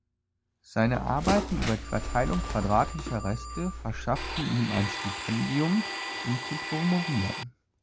Seine Arbeiten über die Verteilung quadratischer Reste verschafften ihm ein Stipendium, um zu promovieren.